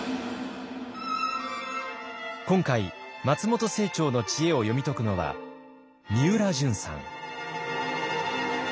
今回松本清張の知恵を読み解くのはみうらじゅんさん。